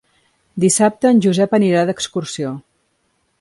Dissabte en Josep anirà d'excursió.